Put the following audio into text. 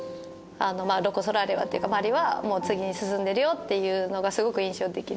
「ロコ・ソラーレはっていうか周りはもう次に進んでるよ」っていうのがすごく印象的で。